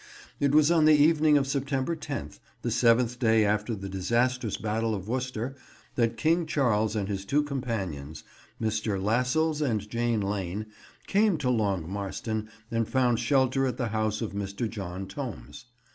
It was on the evening of September 10th, the seventh day after the disastrous Battle of Worcester, that King Charles and his two companions, Mr. Lassels and Jane Lane, came to Long Marston and found shelter at the house of Mr. John Tomes.